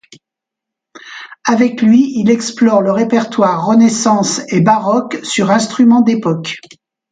Avec lui, il explore le répertoire renaissance et baroque sur instruments d'époques.